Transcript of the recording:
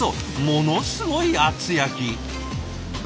ものすごい厚焼き。